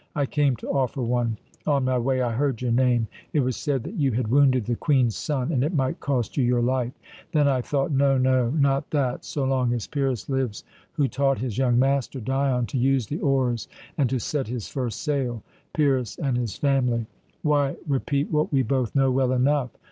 I came to offer one. On my way I heard your name. It was said that you had wounded the Queen's son, and it might cost you your life. Then I thought: 'No, no, not that, so long as Pyrrhus lives, who taught his young master Dion to use the oars and to set his first sail Pyrrhus and his family.' Why repeat what we both know well enough?